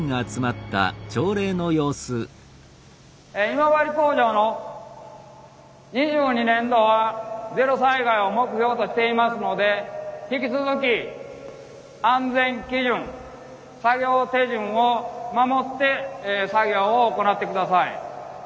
今治工場の２２年度はゼロ災害を目標としていますので引き続き安全基準・作業手順を守って作業を行って下さい。